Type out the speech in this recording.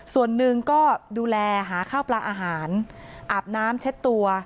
ส่วนหนึ่งก็ดูแลหาข้าวปลาอาหารอาบน้ำเช็ดตัว